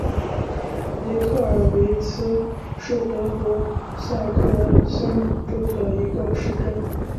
雷克尔维茨是德国萨克森州的一个市镇。